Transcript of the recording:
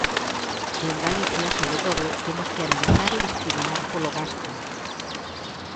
E en Galicia, sobre todo, temos que analizar e discriminar polo gasto.